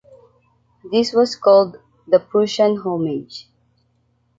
This was called the "Prussian Homage".